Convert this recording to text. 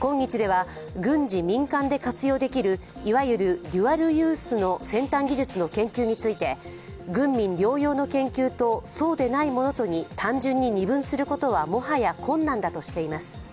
今日では軍事・民間で活用できるいわゆるデュアルユースの先端技術の研究について軍民両用の研究とそうでないものとに単純に二分することはもはや困難だとしています。